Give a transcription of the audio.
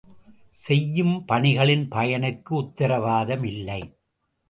செய்யும் பணிகளின் பயனுக்கு உத்தரவாதம் இல்லை!